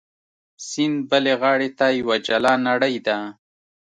سیند بلې غاړې ته یوه جلا نړۍ ده.